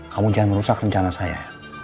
kamu jangan merusak rencana saya